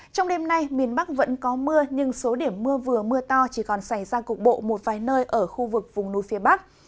trong đêm nay miền bắc vẫn có mưa nhưng số điểm mưa vừa mưa to chỉ còn xảy ra cục bộ một vài nơi ở khu vực vùng núi phía bắc